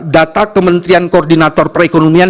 data kementerian koordinator perekonomian